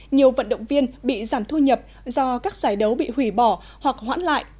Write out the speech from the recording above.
nhiều vận động viên bị giảm thu nhập do các giải đấu bị hủy bỏ hoặc hoãn lại